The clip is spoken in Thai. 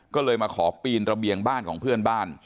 ก็เลยมาขอปีนระเบียงบ้านของเพื่อนบ้าน